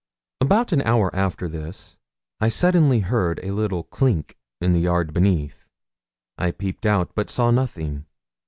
About an hour after this I suddenly heard a little clink in the yard beneath. I peeped out, but saw nothing.